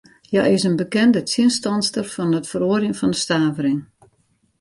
Hja is in bekende tsjinstanster fan it feroarjen fan de stavering.